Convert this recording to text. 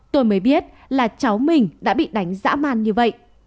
tôi mới biết là cháu mình đã bị đánh dã man như vậy